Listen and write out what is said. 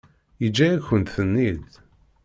Yeǧǧa-yakent-ten-id?